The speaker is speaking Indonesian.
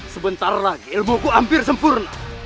sebentar lagi ilmuku hampir sempurna